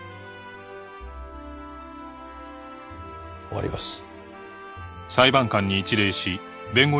終わります。